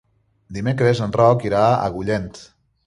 Dimecres en Roc irà a Agullent.